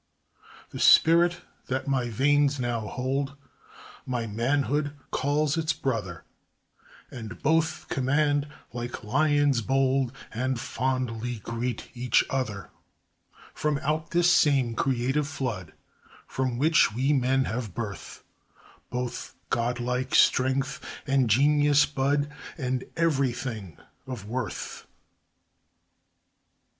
The spirit that my veins now hold, My manhood calls its brother! And both command, like lions bold, And fondly greet each other. From out this same creative flood From which we men have birth, Both godlike strength and genius bud, And everything of worth.